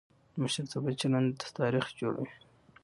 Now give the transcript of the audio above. د مشرتابه چلند تاریخ جوړوي